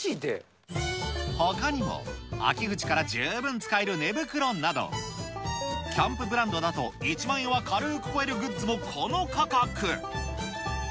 ほかにも、秋口から十分使える寝袋など、キャンプブランドだと１万円は軽ーく超えるグッズも、この価格。